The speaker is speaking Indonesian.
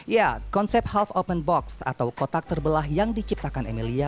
ya konsep health open box atau kotak terbelah yang diciptakan emilia